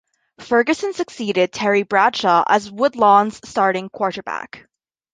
Ferguson succeeded Terry Bradshaw as Woodlawn's starting quarterback.